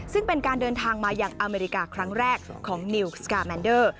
ซึ่งเป็นการเดินทางมาอย่างอเมริกาครั้งแรกของนิวสกาแมนเดอร์